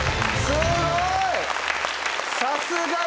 すごい。